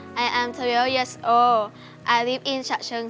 ฉัน๑๒ปีแล้วชูที่สุขช่างเซียล